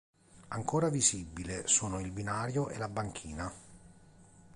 Ancora visibile sono il binario e la banchina.